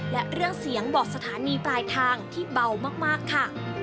และเรื่องเสียงบอกสถานีปลายทางที่เบามากค่ะ